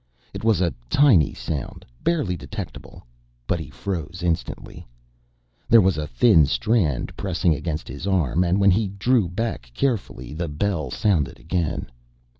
It was a tiny sound, barely detectable, but he froze instantly. There was a thin strand pressing against his arm, and when he drew back carefully the bell sounded again.